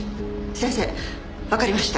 先生わかりました。